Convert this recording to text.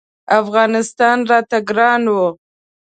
افغانستان راته ګران و.